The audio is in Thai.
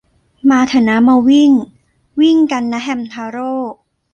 มาเถอะนะมาวิ่ง วิ่งกันนะแฮมทาโร่